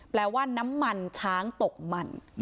แปลว่าน้ำมันช้างตกมัน